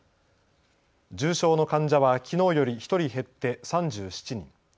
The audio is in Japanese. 重症の患者はきのうより１人減って３７人。